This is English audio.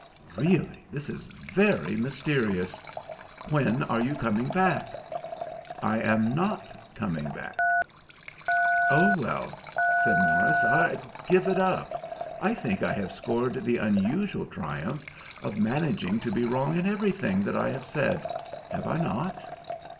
"Really, this is very mysterious. When are you coming back?" "I am not coming back." "Oh, well," said Morris, "I give it up. I think I have scored the unusual triumph of managing to be wrong in everything that I have said. Have I not?"